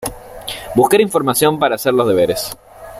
buscar información para hacer los deberes